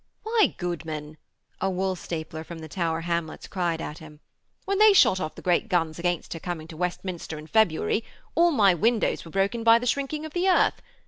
'Why, goodman,' a woolstapler from the Tower Hamlets cried at him, 'when they shot off the great guns against her coming to Westminster in February all my windows were broken by the shrinking of the earth.